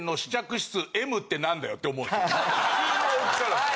普通の大きさなんですよ。